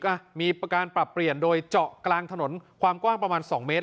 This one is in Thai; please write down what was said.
อ่ะมีการปรับเปลี่ยนโดยเจาะกลางถนนความกว้างประมาณสองเมตร